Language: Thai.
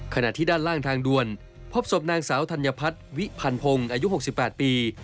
ขณะที่ด้านล่างทางด่วนพบศพนางสาวธัญพัฒน์วิพันพงศ์อายุ๖๘ปี